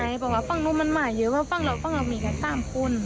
ใช่บอกว่าฝั่งโน้นมันมาเยอะว่าฝั่งเราฝั่งเรามีกันตามคุณ